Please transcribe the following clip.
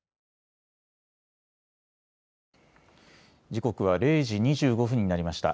時刻は０時２５分になりました。